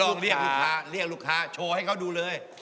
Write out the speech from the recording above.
เรียกลูกค้าเรียกลูกค้าโชว์ให้เขาดูเลย